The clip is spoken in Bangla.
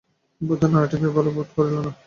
বৈদ্য নাড়ী টিপিয়া অবস্থা দেখিয়া ভালো বোধ করিল না।